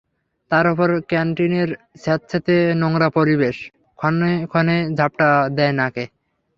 তার ওপর ক্যানটিনের স্যাঁতসেঁতে নোংরা পরিবেশ ক্ষণে ক্ষণে ঝাপটা দেয় নাকে।